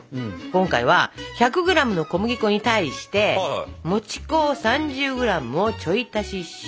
今回は１００ｇの小麦粉に対してもち粉を３０ｇをちょい足しします。